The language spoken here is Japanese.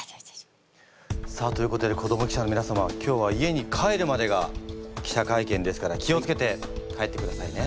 さあということで子ども記者のみなさま今日は家に帰るまでが記者会見ですから気を付けて帰ってくださいね。